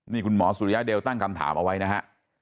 นี่คุณหมอสุริยะเดลตั้งคำถามเอาไว้นะฮะ